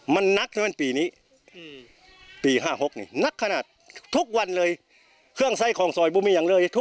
มันนักที่ปีนี้